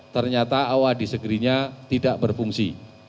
ternyata aoa disagree nya tidak berfungsi